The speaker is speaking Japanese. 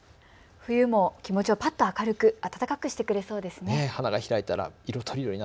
冬も気持ちをぱっと明るくあたたかくしてくれそうですね。